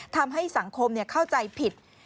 ทำให้สังคมเข้าใจผิด